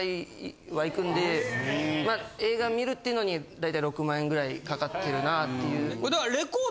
まあ映画観るっていうのに大体６万円位かかってるなぁっていう。